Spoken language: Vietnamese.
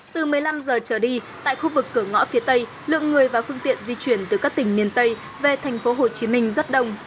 từ một mươi năm h trở đi tại khu vực cửa ngõ phía tây lượng người và phương tiện di chuyển từ các tỉnh miền tây về thành phố hồ chí minh rất đông